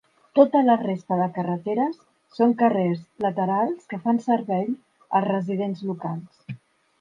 Tota la resta de carreteres són carrers laterals que fan servei als residents locals.